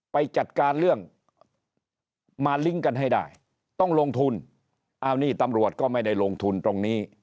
ไปจัดการเรื่องมาลิงก์กันให้ได้ต้องลงทุนเอานี่ตำรวจก็ไม่ได้ลงทุนตรงนี้